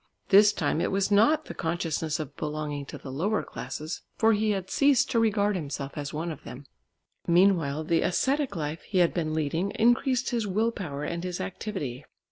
This time it was not the consciousness of belonging to the lower classes, for he had ceased to regard himself as one of them. Meanwhile the ascetic life he had been leading increased his will power and his activity.